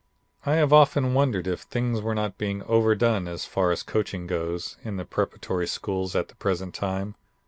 "I have often wondered if things were not being overdone as far as coaching goes in the preparatory schools at the present time.